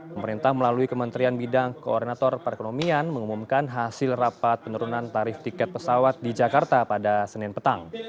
pemerintah melalui kementerian bidang koordinator perekonomian mengumumkan hasil rapat penurunan tarif tiket pesawat di jakarta pada senin petang